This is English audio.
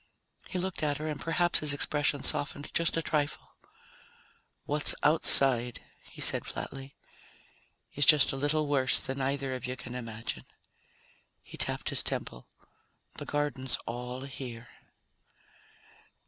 He looked at her and perhaps his expression softened just a trifle. "What's outside," he said flatly, "is just a little worse than either of you can imagine." He tapped his temple. "The garden's all here."